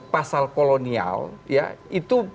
pasal kolonial ya itu